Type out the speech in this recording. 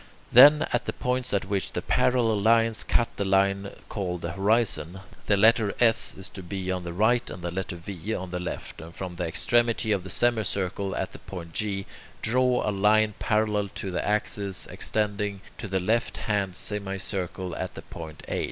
Then, at the points at which the parallel lines cut the line called the horizon, the letter S is to be on the right and the letter V on the left, and from the extremity of the semicircle, at the point G, draw a line parallel to the axis, extending to the left hand semicircle at the point H.